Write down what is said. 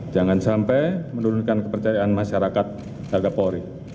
jangan sampai menurunkan kepercayaan masyarakat terhadap polri